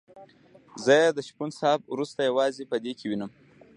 زه یې د شپون صاحب وروسته یوازې په ده کې وینم.